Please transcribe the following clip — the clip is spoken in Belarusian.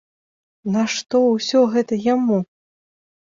Нашто ўсё гэта яму?